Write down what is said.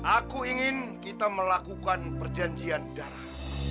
aku ingin kita melakukan perjanjian darah